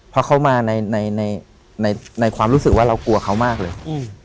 เพราะเขามาในความรู้สึกว่าเรากลัวเขามากเลย